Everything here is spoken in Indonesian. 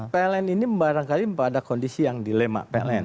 pln ini barangkali mempunyai kondisi yang dilema